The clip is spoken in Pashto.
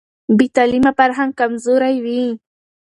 بې تعلیمه فرهنګ کمزوری وي.